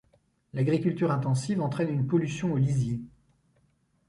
L'agriculture intensive entraine une pollution au lisier.